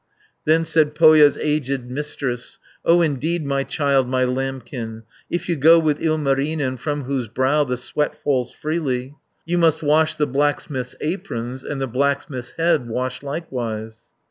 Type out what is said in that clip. Then said Pohja's aged Mistress, "O indeed, my child, my lambkin, 650 If you go with Ilmarinen, From whose brow the sweat falls freely, You must wash the blacksmith's aprons, And the blacksmith's head wash likewise."